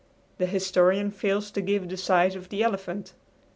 The historian fails to give the size of the elephant.